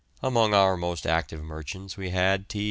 Among our most active merchants we had T.